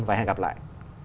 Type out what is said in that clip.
và hẹn gặp lại